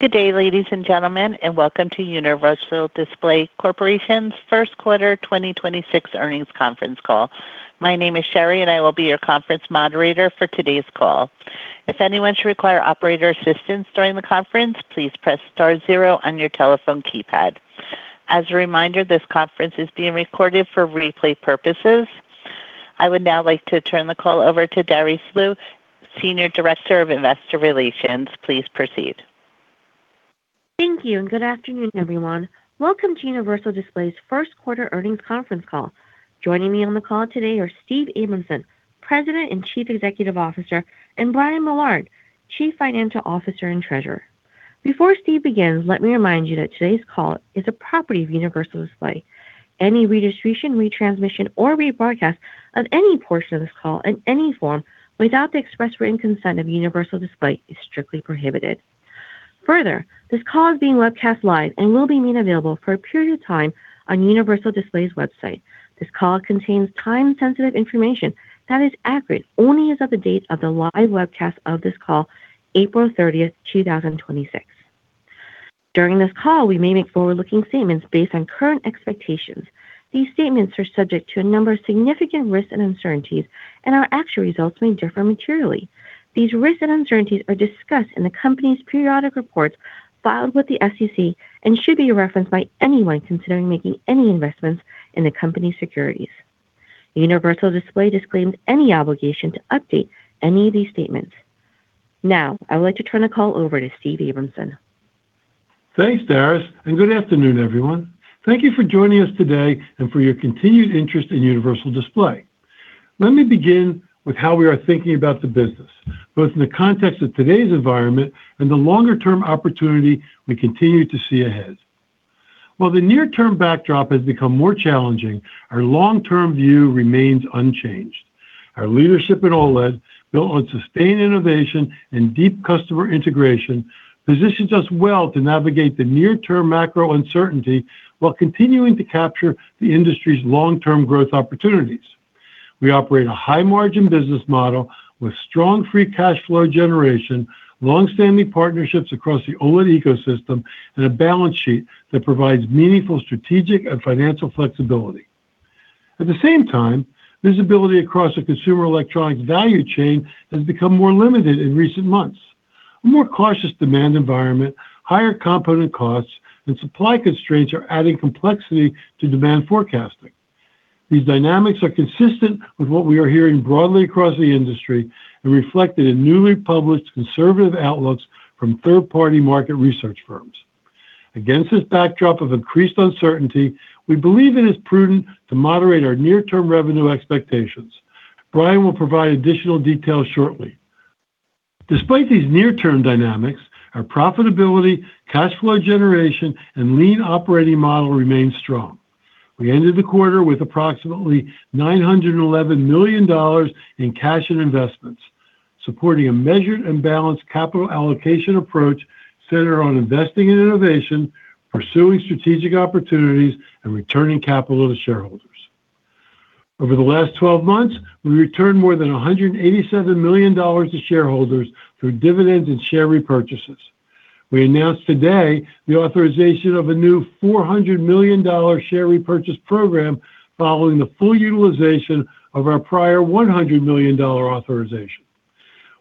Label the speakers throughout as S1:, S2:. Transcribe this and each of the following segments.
S1: Good day, ladies and gentlemen, and welcome to Universal Display Corporation's first quarter 2026 earnings conference call. My name is Sherry, and I will be your conference moderator for today's call. If anyone should require operator assistance during the conference, please press Star zero on your telephone keypad. As a reminder, this conference is being recorded for replay purposes. I would now like to turn the call over to Darice Liu, Senior Director of Investor Relations. Please proceed.
S2: Thank you. Good afternoon, everyone. Welcome to Universal Display's first quarter earnings conference call. Joining me on the call today are Steven Abramson, President and Chief Executive Officer, and Brian Millard, Chief Financial Officer and Treasurer. Before Steve begins, let me remind you that today's call is a property of Universal Display. Any redistribution, retransmission, or rebroadcast of any portion of this call in any form without the express written consent of Universal Display is strictly prohibited. This call is being webcast live and will be made available for a period of time on Universal Display's website. This call contains time-sensitive information that is accurate only as of the date of the live webcast of this call, April 30, 2026. During this call, we may make forward-looking statements based on current expectations. These statements are subject to a number of significant risks and uncertainties, and our actual results may differ materially. These risks and uncertainties are discussed in the company's periodic reports filed with the SEC and should be referenced by anyone considering making any investments in the company's securities. Universal Display disclaims any obligation to update any of these statements. Now, I would like to turn the call over to Steven Abramson.
S3: Thanks, Darice, good afternoon, everyone. Thank you for joining us today and for your continued interest in Universal Display. Let me begin with how we are thinking about the business, both in the context of today's environment and the longer-term opportunity we continue to see ahead. While the near-term backdrop has become more challenging, our long-term view remains unchanged. Our leadership at OLED, built on sustained innovation and deep customer integration, positions us well to navigate the near-term macro uncertainty while continuing to capture the industry's long-term growth opportunities. We operate a high margin business model with strong free cash flow generation, long-standing partnerships across the OLED ecosystem, and a balance sheet that provides meaningful strategic and financial flexibility. At the same time, visibility across the consumer electronics value chain has become more limited in recent months. A more cautious demand environment, higher component costs, and supply constraints are adding complexity to demand forecasting. These dynamics are consistent with what we are hearing broadly across the industry and reflected in newly published conservative outlooks from third-party market research firms. Against this backdrop of increased uncertainty, we believe it is prudent to moderate our near-term revenue expectations. Brian will provide additional details shortly. Despite these near-term dynamics, our profitability, cash flow generation, and lean operating model remain strong. We ended the quarter with approximately $911 million in cash and investments, supporting a measured and balanced capital allocation approach centered on investing in innovation, pursuing strategic opportunities, and returning capital to shareholders. Over the last 12 months, we returned more than $187 million to shareholders through dividends and share repurchases. We announced today the authorization of a new $400 million share repurchase program following the full utilization of our prior $100 million authorization.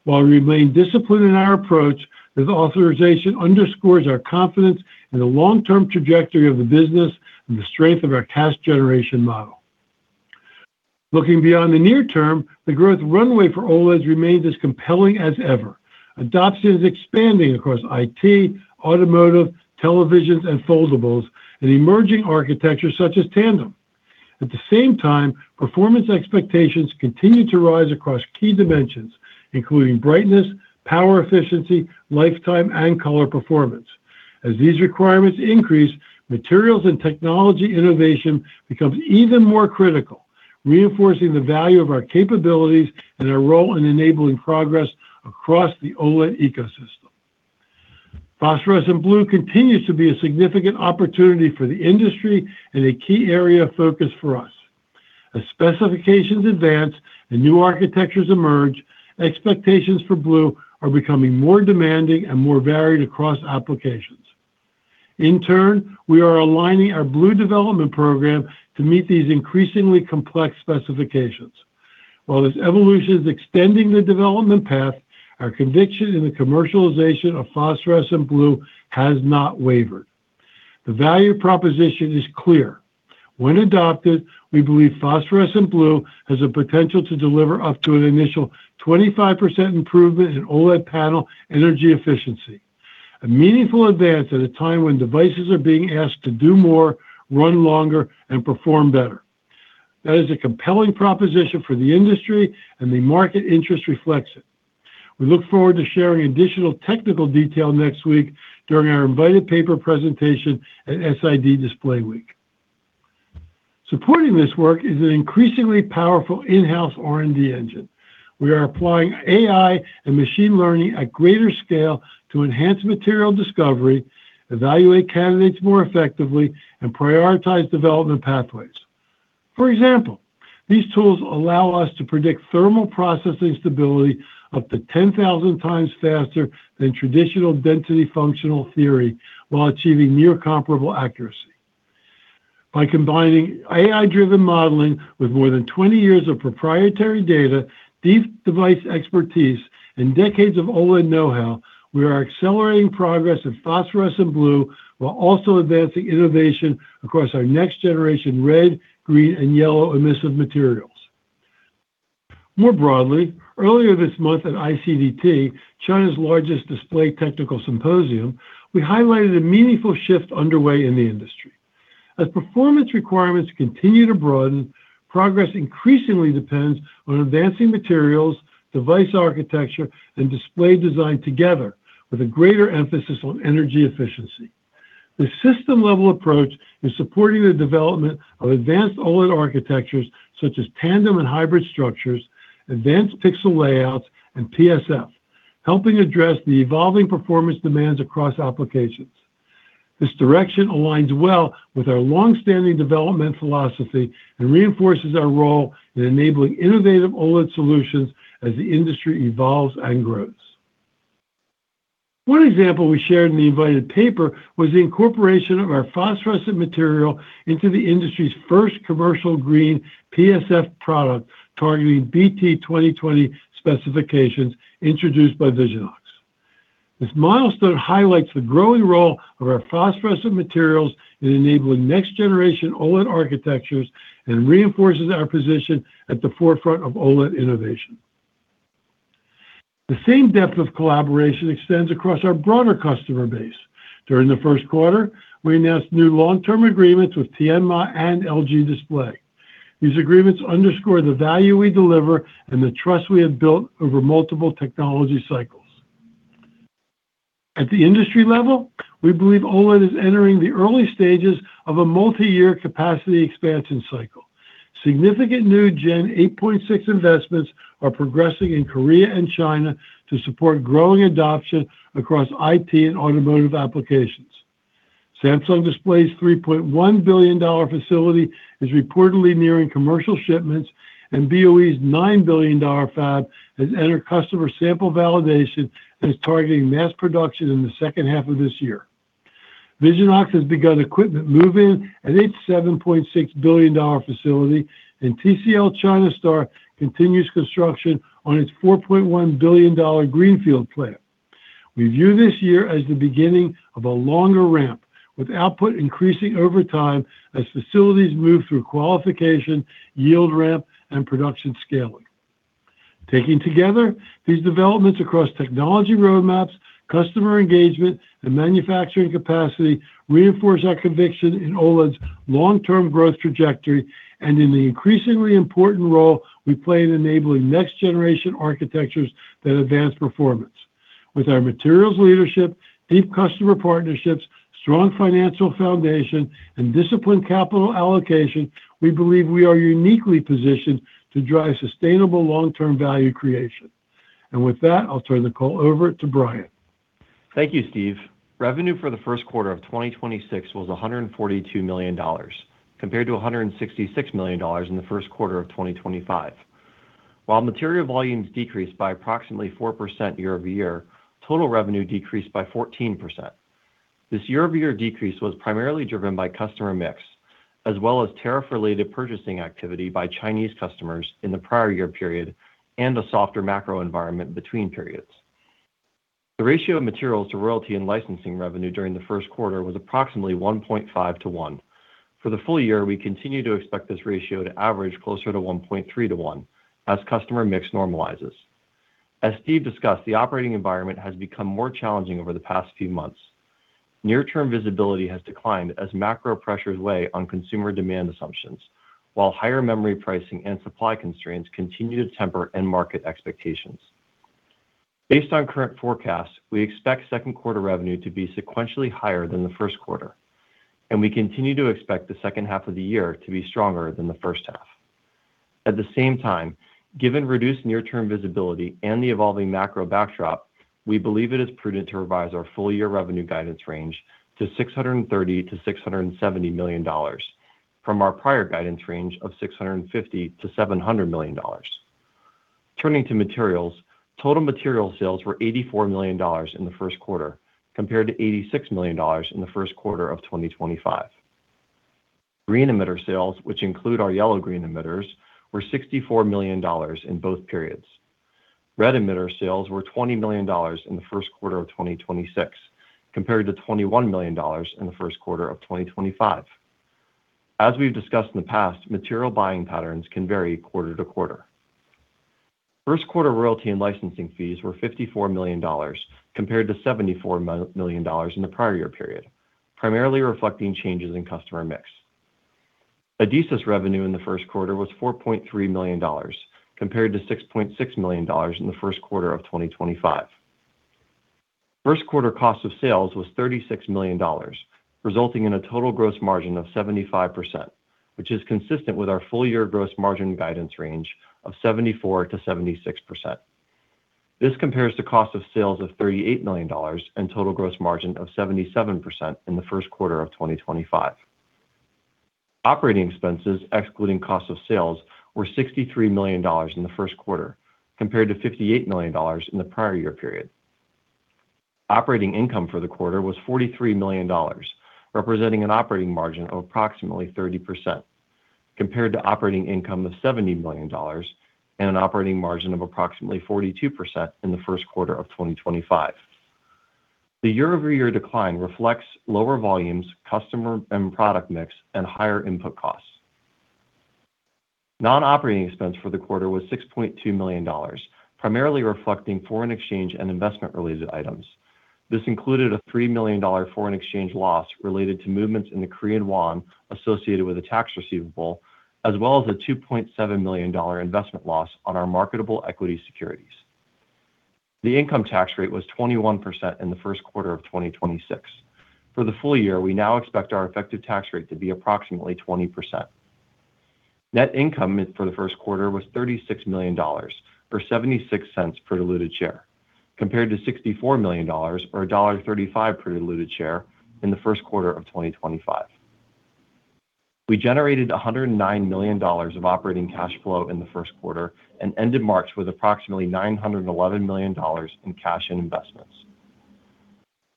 S3: While we remain disciplined in our approach, this authorization underscores our confidence in the long-term trajectory of the business and the strength of our cash generation model. Looking beyond the near term, the growth runway for OLEDs remains as compelling as ever. Adoption is expanding across IT, automotive, televisions, and foldables, and emerging architectures such as tandem. At the same time, performance expectations continue to rise across key dimensions, including brightness, power efficiency, lifetime, and color performance. As these requirements increase, materials and technology innovation becomes even more critical, reinforcing the value of our capabilities and our role in enabling progress across the OLED ecosystem. Phosphorescent blue continues to be a significant opportunity for the industry and a key area of focus for us. As specifications advance and new architectures emerge, expectations for blue are becoming more demanding and more varied across applications. In turn, we are aligning our blue development program to meet these increasingly complex specifications. While this evolution is extending the development path, our conviction in the commercialization of phosphorescent blue has not wavered. The value proposition is clear. When adopted, we believe phosphorescent blue has the potential to deliver up to an initial 25% improvement in OLED panel energy efficiency, a meaningful advance at a time when devices are being asked to do more, run longer, and perform better. That is a compelling proposition for the industry, and the market interest reflects it. We look forward to sharing additional technical detail next week during our invited paper presentation at SID Display Week. Supporting this work is an increasingly powerful in-house R&D engine. We are applying AI and machine learning at greater scale to enhance material discovery, evaluate candidates more effectively, and prioritize development pathways. For example, these tools allow us to predict thermal processing stability up to 10,000 times faster than traditional density functional theory while achieving near comparable accuracy. By combining AI-driven modeling with more than 20 years of proprietary data, deep device expertise, and decades of OLED know-how, we are accelerating progress in phosphorescent blue while also advancing innovation across our next generation red, green, and yellow emissive materials. More broadly, earlier this month at ICDT, China's largest display technical symposium, we highlighted a meaningful shift underway in the industry. As performance requirements continue to broaden, progress increasingly depends on advancing materials, device architecture, and display design together with a greater emphasis on energy efficiency. This system-level approach is supporting the development of advanced OLED architectures, such as tandem and hybrid structures, advanced pixel layouts, and PSF, helping address the evolving performance demands across applications. This direction aligns well with our long-standing development philosophy and reinforces our role in enabling innovative OLED solutions as the industry evolves and grows. One example we shared in the invited paper was the incorporation of our phosphorescent material into the industry's first commercial green PSF product targeting BT.2020 specifications introduced by Visionox. This milestone highlights the growing role of our phosphorescent materials in enabling next generation OLED architectures and reinforces our position at the forefront of OLED innovation. The same depth of collaboration extends across our broader customer base. During the first quarter, we announced new long-term agreements with Tianma and LG Display. These agreements underscore the value we deliver and the trust we have built over multiple technology cycles. At the industry level, we believe OLED is entering the early stages of a multi-year capacity expansion cycle. Significant new Gen 8.6 investments are progressing in Korea and China to support growing adoption across IT and automotive applications. Samsung Display's $3.1 billion facility is reportedly nearing commercial shipments, and BOE's $9 billion fab has entered customer sample validation and is targeting mass production in the second half of this year. Visionox has begun equipment move-in at its $7.6 billion facility, and TCL China Star continues construction on its $4.1 billion greenfield plant. We view this year as the beginning of a longer ramp, with output increasing over time as facilities move through qualification, yield ramp, and production scaling. Taken together, these developments across technology roadmaps, customer engagement, and manufacturing capacity reinforce our conviction in OLED's long-term growth trajectory and in the increasingly important role we play in enabling next-generation architectures that advance performance. With our materials leadership, deep customer partnerships, strong financial foundation, and disciplined capital allocation, we believe we are uniquely positioned to drive sustainable long-term value creation. With that, I'll turn the call over to Brian.
S4: Thank you, Steve. Revenue for the first quarter of 2026 was $142 million compared to $166 million in the first quarter of 2025. While material volumes decreased by approximately 4% year-over-year, total revenue decreased by 14%. This year-over-year decrease was primarily driven by customer mix, as well as tariff-related purchasing activity by Chinese customers in the prior year period and a softer macro environment between periods. The ratio of materials to royalty and licensing revenue during the first quarter was approximately 1.5 to one. For the full year, we continue to expect this ratio to average closer to 1.3 to one as customer mix normalizes. As Steve discussed, the operating environment has become more challenging over the past few months. Near-term visibility has declined as macro pressures weigh on consumer demand assumptions, while higher memory pricing and supply constraints continue to temper end market expectations. Based on current forecasts, we expect second quarter revenue to be sequentially higher than the first quarter, and we continue to expect the second half of the year to be stronger than the first half. At the same time, given reduced near-term visibility and the evolving macro backdrop, we believe it is prudent to revise our full-year revenue guidance range to $630 million-$670 million from our prior guidance range of $650 million-$700 million. Turning to materials, total material sales were $84 million in the first quarter compared to $86 million in the first quarter of 2025. Green emitter sales, which include our yellow-green emitters, were $64 million in both periods. Red emitter sales were $20 million in the first quarter of 2026 compared to $21 million in the first quarter of 2025. As we've discussed in the past, material buying patterns can vary quarter to quarter. First quarter royalty and licensing fees were $54 million compared to $74 million in the prior year period, primarily reflecting changes in customer mix. Adesis revenue in the first quarter was $4.3 million compared to $6.6 million in the first quarter of 2025. First quarter cost of sales was $36 million, resulting in a total gross margin of 75%, which is consistent with our full year gross margin guidance range of 74%-76%. This compares to cost of sales of $38 million and total gross margin of 77% in the first quarter of 2025. Operating expenses, excluding cost of sales, were $63 million in the first quarter, compared to $58 million in the prior year period. Operating income for the quarter was $43 million, representing an operating margin of approximately 30%, compared to operating income of $70 million and an operating margin of approximately 42% in the first quarter of 2025. The year-over-year decline reflects lower volumes, customer and product mix, and higher input costs. Non-operating expense for the quarter was $6.2 million, primarily reflecting foreign exchange and investment-related items. This included a $3 million foreign exchange loss related to movements in the Korean won associated with a tax receivable, as well as a $2.7 million investment loss on our marketable equity securities. The income tax rate was 21% in the first quarter of 2026. For the full year, we now expect our effective tax rate to be approximately 20%. Net income for the first quarter was $36 million, or $0.76 per diluted share, compared to $64 million, or $1.35 per diluted share in the first quarter of 2025. We generated $109 million of operating cash flow in the first quarter and ended March with approximately $911 million in cash and investments.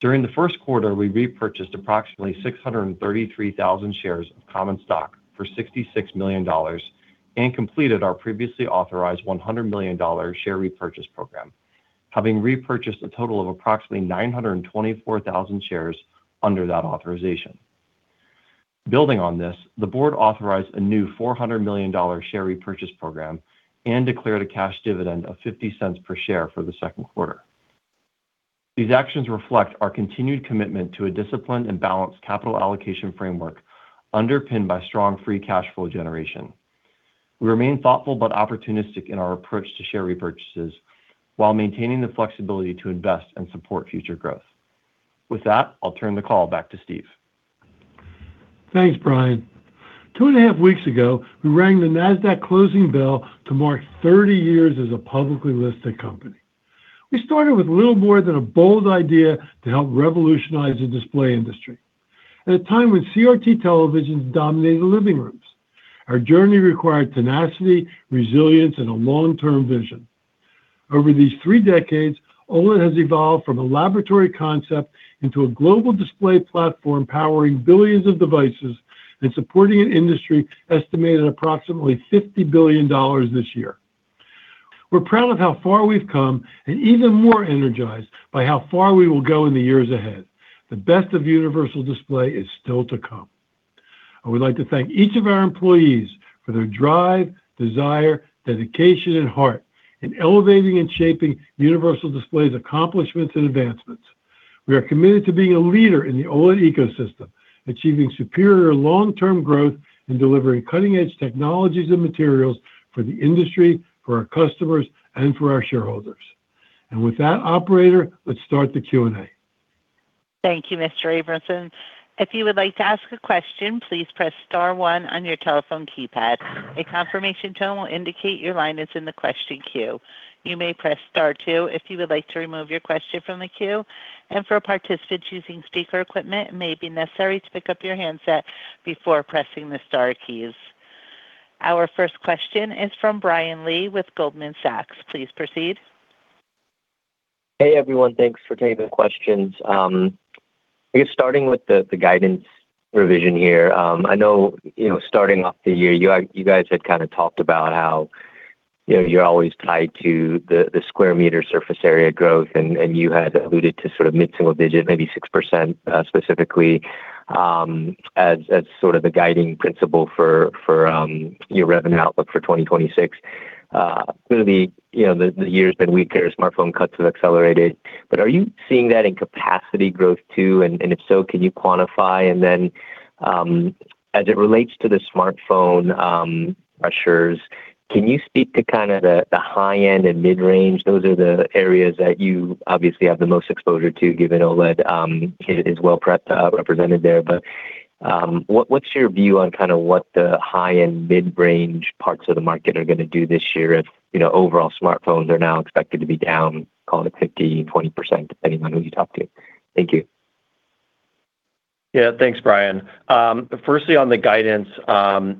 S4: During the first quarter, we repurchased approximately 633,000 shares of common stock for $66 million and completed our previously authorized $100 million share repurchase program, having repurchased a total of approximately 924,000 shares under that authorization. Building on this, the board authorized a new $400 million share repurchase program and declared a cash dividend of $0.50 per share for the second quarter. These actions reflect our continued commitment to a disciplined and balanced capital allocation framework underpinned by strong free cash flow generation. We remain thoughtful but opportunistic in our approach to share repurchases while maintaining the flexibility to invest and support future growth. With that, I'll turn the call back to Steve.
S3: Thanks, Brian. Two and a half weeks ago, we rang the Nasdaq closing bell to mark 30 years as a publicly listed company. We started with little more than a bold idea to help revolutionize the display industry. At a time when CRT televisions dominated the living rooms, our journey required tenacity, resilience, and a long-term vision. Over these three decades, OLED has evolved from a laboratory concept into a global display platform powering billions of devices and supporting an industry estimated approximately $50 billion this year. We're proud of how far we've come and even more energized by how far we will go in the years ahead. The best of Universal Display is still to come. I would like to thank each of our employees for their drive, desire, dedication, and heart in elevating and shaping Universal Display's accomplishments and advancements. We are committed to being a leader in the OLED ecosystem, achieving superior long-term growth and delivering cutting-edge technologies and materials for the industry, for our customers, and for our shareholders. With that, operator, let's start the Q&A.
S1: Thank you, Mr. Abramson. If you would like to ask a question, please press Star 1 on your telephone keypad. A confirmation tone will indicate your line is in the question queue. You may press Star two if you would like to remove your question from the queue. For participants using speaker equipment, it may be necessary to pick up your handset before pressing the Star keys. Our first question is from Brian Lee with Goldman Sachs. Please proceed.
S5: Hey, everyone. Thanks for taking the questions. I guess starting with the guidance revision here, I know, you know, starting off the year, you guys had talked about how you know, you're always tied to the square meter surface area growth, and you had alluded to sort of mid-single digit, maybe 6%, specifically, as sort of the guiding principle for your revenue outlook for 2026. Clearly, the year's been weaker, smartphone cuts have accelerated, are you seeing that in capacity growth too? If so, can you quantify? Then, as it relates to the smartphone pressures, can you speak to kind of the high end and mid-range? Those are the areas that you obviously have the most exposure to, given OLED is well represented there. What's your view on kind of what the high-end, mid-range parts of the market are gonna do this year if, you know, overall smartphones are now expected to be down call it 15%, 20%, depending on who you talk to? Thank you.
S4: Yeah. Thanks, Brian. Firstly on the guidance,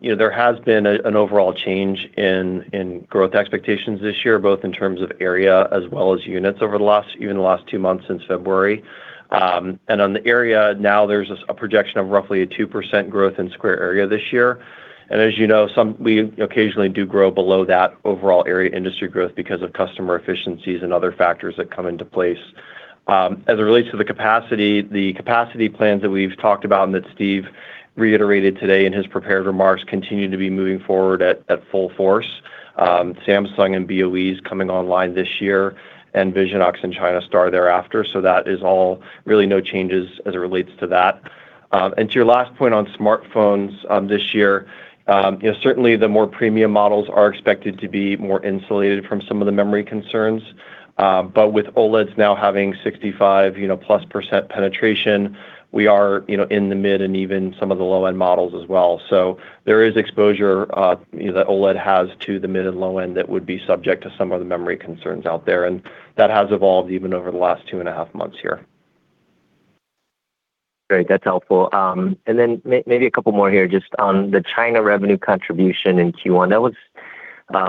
S4: you know, there has been an overall change in growth expectations this year, both in terms of area as well as units over the last, even the last two months since February. And on the area, now there's a projection of roughly a 2% growth in square area this year. And as you know, we occasionally do grow below that overall area industry growth because of customer efficiencies and other factors that come into place. As it relates to the capacity, the capacity plans that we've talked about and that Steve reiterated today in his prepared remarks continue to be moving forward at full force. Samsung and BOE coming online this year, and Visionox and China Star thereafter. That is all really no changes as it relates to that. To your last point on smartphones, this year, certainly the more premium models are expected to be more insulated from some of the memory concerns. With OLEDs now having 65% plus penetration, we are in the mid and even some of the low-end models as well. There is exposure that OLED has to the mid and low end that would be subject to some of the memory concerns out there, and that has evolved even over the last 2.5 months here.
S5: Great. That's helpful. Then maybe a couple more here just on the China revenue contribution in Q1. That was,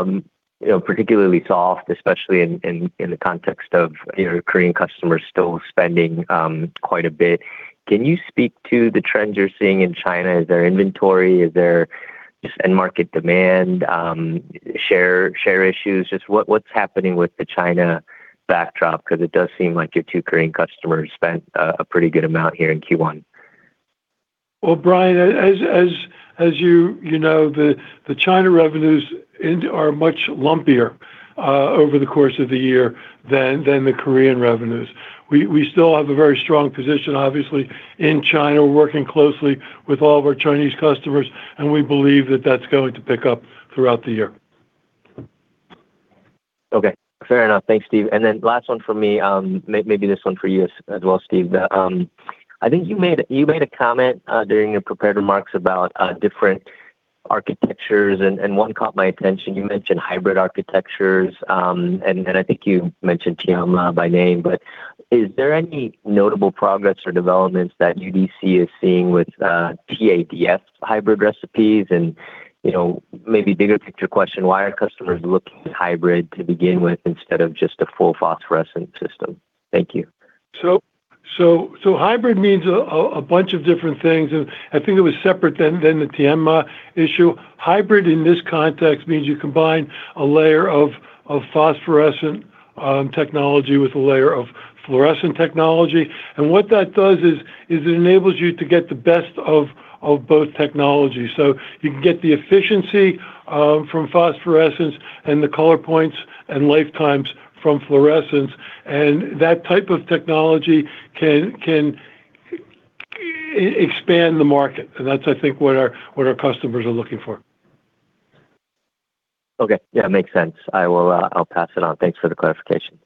S5: you know, particularly soft, especially in the context of your Korean customers still spending quite a bit. Can you speak to the trends you're seeing in China? Is there inventory? Is there just end market demand, share issues? Just what's happening with the China backdrop? Because it does seem like your two Korean customers spent a pretty good amount here in Q1.
S3: Well, Brian, as you know, the China revenues are much lumpier over the course of the year than the Korean revenues. We still have a very strong position, obviously, in China. We are working closely with all of our Chinese customers. We believe that that's going to pick up throughout the year.
S5: Okay. Fair enough. Thanks, Steve. Last one from me, maybe this one for you as well, Steve. I think you made a comment during your prepared remarks about different architectures and one caught my attention. You mentioned hybrid architectures, and I think you mentioned Tianma by name. Is there any notable progress or developments that UDC is seeing with TADF hybrid recipes? You know, maybe bigger picture question, why are customers looking at hybrid to begin with instead of just a full phosphorescent system? Thank you.
S3: Hybrid means a bunch of different things, and I think it was separate than the Tianma issue. Hybrid in this context means you combine a layer of phosphorescent technology with a layer of fluorescent technology. What that does is it enables you to get the best of both technologies. You can get the efficiency from phosphorescence and the color points and lifetimes from fluorescence, and that type of technology can expand the market. That's, I think, what our customers are looking for.
S5: Okay. Yeah, makes sense. I'll pass it on. Thanks for the clarification.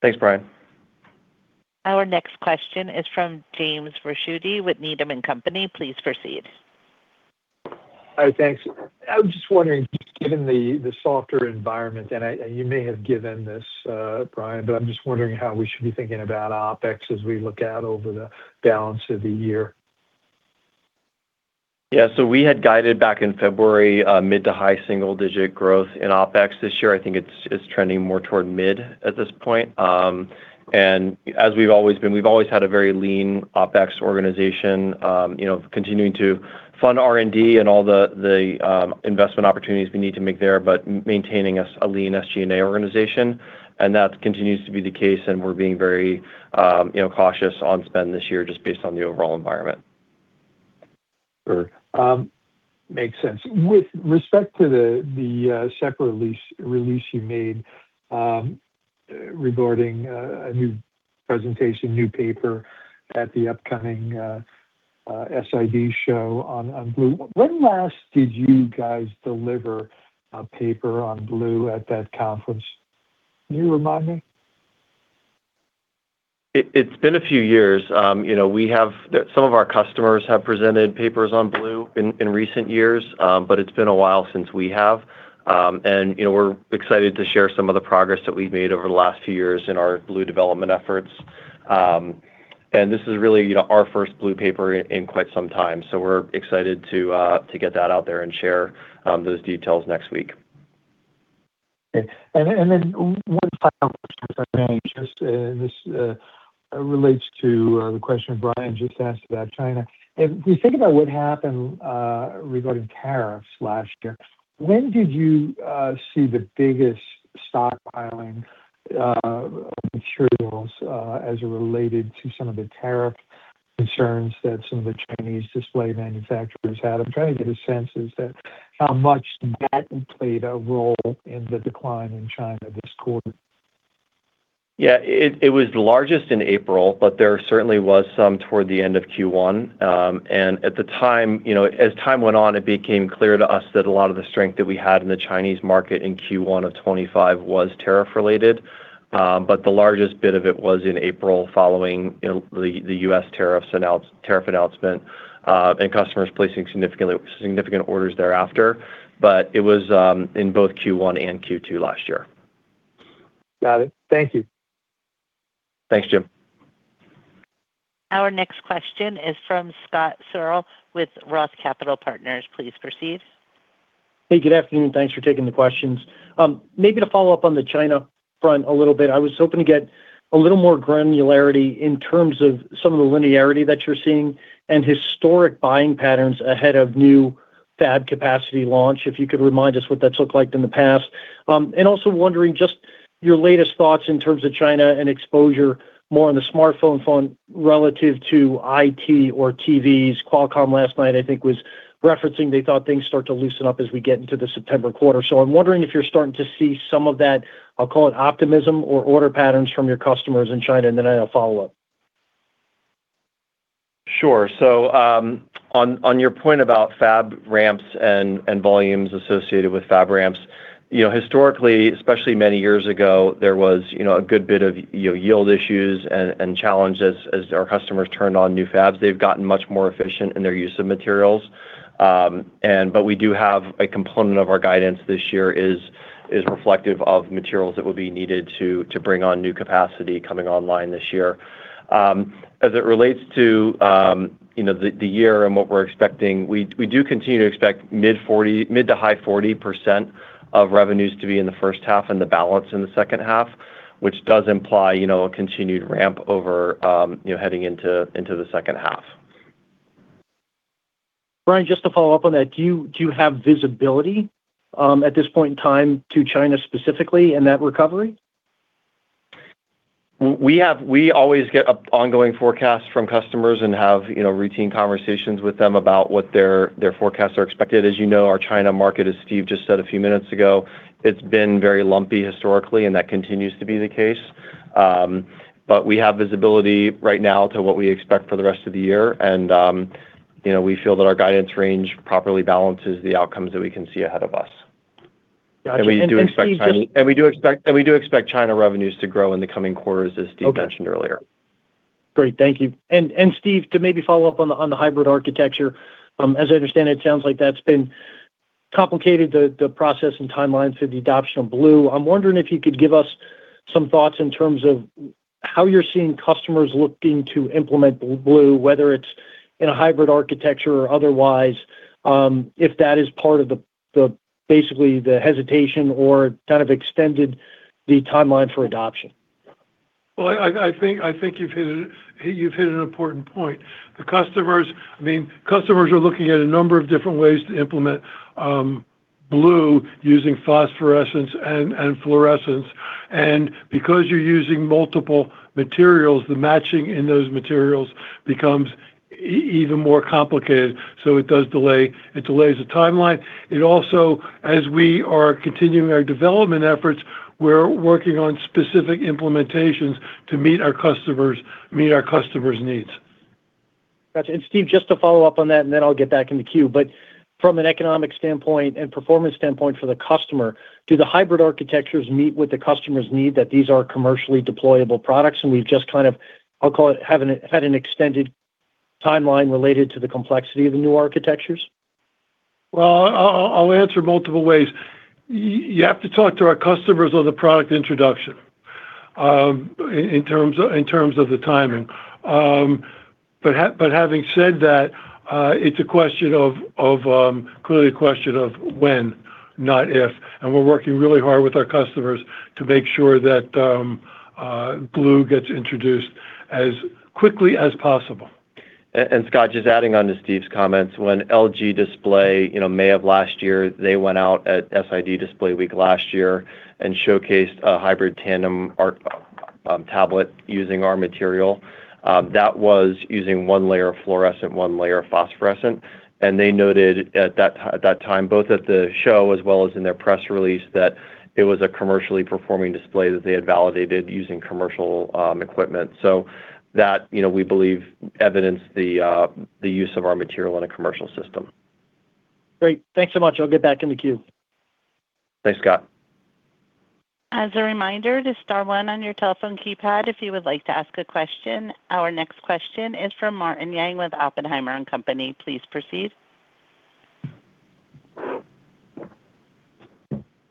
S4: Thanks, Brian.
S1: Our next question is from James Ricchiuti with Needham & Company. Please proceed.
S6: Hi. Thanks. I was just wondering, just given the softer environment, and you may have given this, Brian, but I'm just wondering how we should be thinking about OpEx as we look out over the balance of the year.
S4: We had guided back in February, mid to high single digit growth in OpEx this year. I think it's trending more toward mid at this point. As we've always had a very lean OpEx organization, you know, continuing to fund R&D and all the investment opportunities we need to make there, but maintaining a lean SG&A organization. That continues to be the case, and we're being very, you know, cautious on spend this year just based on the overall environment.
S6: Sure. makes sense. With respect to the separate release you made, regarding a new presentation, new paper at the upcoming SID show on Blue, when last did you guys deliver a paper on Blue at that conference? Can you remind me?
S4: It's been a few years. You know, some of our customers have presented papers on Blue in recent years, but it's been a while since we have. You know, we're excited to share some of the progress that we've made over the last few years in our Blue development efforts. This is really, you know, our first Blue paper in quite some time. We're excited to get that out there and share those details next week.
S6: Okay. Then one final question, if I may. Just this relates to the question Brian just asked about China. If we think about what happened regarding tariffs last year, when did you see the biggest stockpiling of materials as it related to some of the tariff concerns that some of the Chinese display manufacturers had? I'm trying to get a sense is that how much that played a role in the decline in China this quarter.
S4: Yeah. It was largest in April, but there certainly was some toward the end of Q1. At the time, you know, as time went on, it became clear to us that a lot of the strength that we had in the Chinese market in Q1 of 2025 was tariff related. The largest bit of it was in April following, you know, the U.S. tariffs tariff announcement, and customers placing significant orders thereafter. It was in both Q1 and Q2 last year.
S6: Got it. Thank you.
S4: Thanks, Jim.
S1: Our next question is from Scott Searle with Roth Capital Partners. Please proceed.
S7: Hey, good afternoon. Thanks for taking the questions. Maybe to follow up on the China front a little bit, I was hoping to get a little more granularity in terms of some of the linearity that you're seeing and historic buying patterns ahead of new fab capacity launch, if you could remind us what that's looked like in the past. Also wondering just your latest thoughts in terms of China and exposure more on the smartphone front relative to IT or TVs. Qualcomm last night, I think, was referencing they thought things start to loosen up as we get into the September quarter. I'm wondering if you're starting to see some of that, I'll call it optimism or order patterns from your customers in China, and then I have follow-up.
S4: Sure. on your point about fab ramps and volumes associated with fab ramps, you know, historically, especially many years ago, there was, you know, a good bit of yield issues and challenges as our customers turned on new fabs. They've gotten much more efficient in their use of materials. But we do have a component of our guidance this year is reflective of materials that will be needed to bring on new capacity coming online this year. As it relates to, you know, the year and what we're expecting, we do continue to expect mid to high 40% of revenues to be in the first half and the balance in the second half, which does imply, you know, a continued ramp over, you know, heading into the second half.
S7: Brian, just to follow up on that, do you have visibility at this point in time to China specifically in that recovery?
S4: We always get a ongoing forecast from customers and have, you know, routine conversations with them about what their forecasts are expected. As you know, our China market, as Steve just said a few minutes ago, it's been very lumpy historically, and that continues to be the case. We have visibility right now to what we expect for the rest of the year. You know, we feel that our guidance range properly balances the outcomes that we can see ahead of us.
S7: Got you.
S4: We do expect China revenues to grow in the coming quarters, as Steve mentioned earlier.
S7: Great. Thank you. Steve, to maybe follow up on the hybrid architecture, as I understand it sounds like that's been complicated, the process and timeline for the adoption of BLUE. I'm wondering if you could give us some thoughts in terms of how you're seeing customers looking to implement BLUE, whether it's in a hybrid architecture or otherwise, if that is part of the basically the hesitation or kind of extended the timeline for adoption.
S3: Well, I think you've hit an important point. I mean, customers are looking at a number of different ways to implement phosphorescent blue using phosphorescence and fluorescence. Because you're using multiple materials, the matching in those materials becomes even more complicated, so it delays the timeline. It also, as we are continuing our development efforts, we're working on specific implementations to meet our customers' needs.
S7: Got you. Steve, just to follow up on that, then I'll get back in the queue. From an economic standpoint and performance standpoint for the customer, do the hybrid architectures meet what the customers need, that these are commercially deployable products, and we've just kind of, I'll call it, had an extended timeline related to the complexity of the new architectures?
S3: Well, I'll answer multiple ways. You have to talk to our customers on the product introduction, in terms of the timing. Having said that, it's a question of, clearly a question of when, not if. We're working really hard with our customers to make sure that BLUE gets introduced as quickly as possible.
S4: Scott, just adding on to Steve's comments. When LG Display, you know, May of last year, they went out at SID Display Week last year and showcased a hybrid tandem arc tablet using our material that was using one layer of fluorescent, one layer of phosphorescent. They noted at that time, both at the show as well as in their press release, that it was a commercially performing display that they had validated using commercial equipment. That, you know, we believe evidenced the use of our material in a commercial system.
S7: Great. Thanks so much. I'll get back in the queue.
S4: Thanks, Scott.
S1: Our next question is from Martin Yang with Oppenheimer & Co. Please proceed.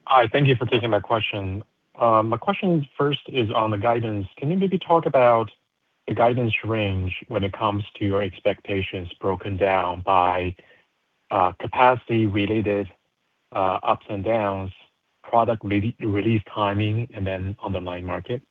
S8: Hi. Thank you for taking my question. My question first is on the guidance. Can you maybe talk about the guidance range when it comes to your expectations broken down by capacity related ups and downs, product re-release timing, and then underlying market?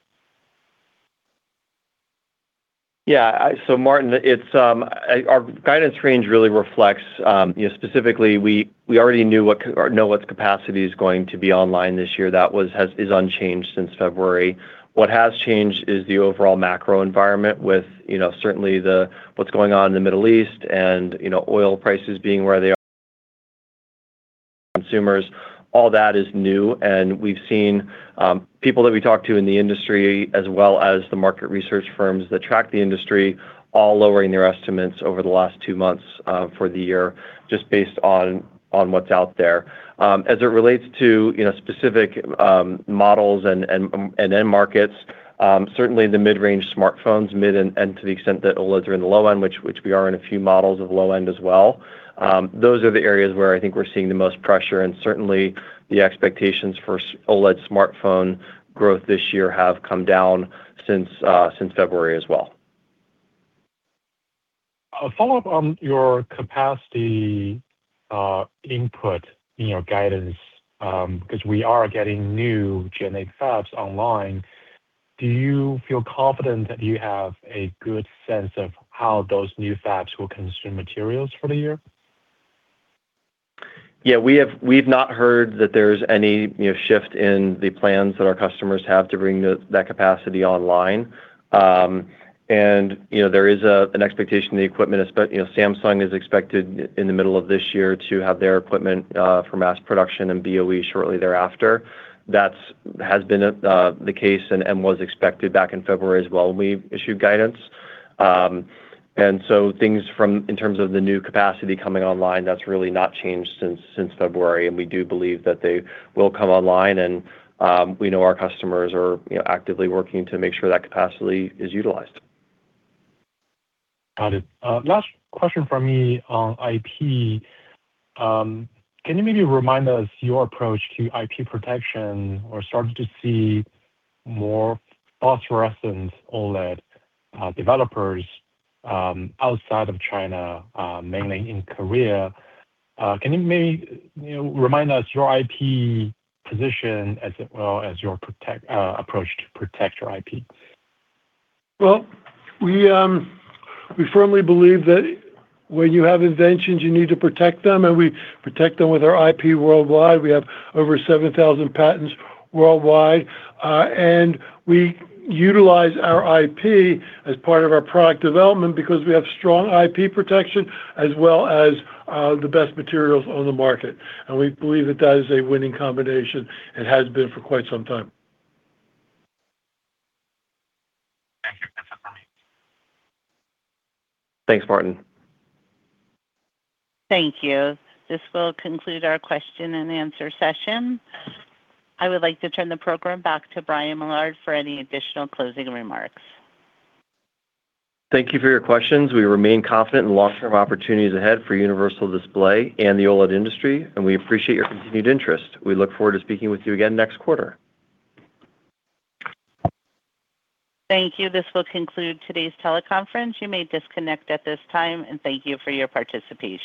S4: Yeah. Martin, it's. Our guidance range really reflects, you know, specifically we already know what capacity is going to be online this year. That is unchanged since February. What has changed is the overall macro environment with, you know, certainly the, what's going on in the Middle East and, you know, oil prices being where they are. Consumers, all that is new. We've seen people that we talk to in the industry as well as the market research firms that track the industry all lowering their estimates over the last two months for the year just based on what's out there. As it relates to, you know, specific models and, and end markets, certainly the mid-range smartphones, mid and to the extent that OLEDs are in the low end, which we are in a few models of low end as well, those are the areas where I think we're seeing the most pressure. Certainly the expectations for OLED smartphone growth this year have come down since February as well.
S8: A follow-up on your capacity, input, you know, guidance, because we are getting new Gen 8 fabs online, do you feel confident that you have a good sense of how those new fabs will consume materials for the year?
S4: Yeah, we've not heard that there's any, you know, shift in the plans that our customers have to bring that capacity online. you know, there is an expectation but, you know, Samsung is expected in the middle of this year to have their equipment for mass production and BOE shortly thereafter. That has been the case and was expected back in February as well when we issued guidance. things from, in terms of the new capacity coming online, that's really not changed since February, and we do believe that they will come online, and, we know our customers are, you know, actively working to make sure that capacity is utilized.
S8: Got it. Last question from me on IP. Can you maybe remind us your approach to IP protection? We're starting to see more phosphorescence OLED developers outside of China, mainly in Korea. Can you maybe, you know, remind us your IP position as well as your approach to protect your IP?
S3: Well, we firmly believe that when you have inventions, you need to protect them, and we protect them with our IP worldwide. We have over 7,000 patents worldwide. We utilize our IP as part of our product development because we have strong IP protection as well as the best materials on the market. We believe that that is a winning combination and has been for quite some time.
S8: Thank you. That's all.
S4: Thanks, Martin.
S1: Thank you. This will conclude our question and answer session. I would like to turn the program back to Brian Millard for any additional closing remarks.
S4: Thank you for your questions. We remain confident in long-term opportunities ahead for Universal Display and the OLED industry, and we appreciate your continued interest. We look forward to speaking with you again next quarter.
S1: Thank you. This will conclude today's teleconference. You may disconnect at this time, and thank you for your participation.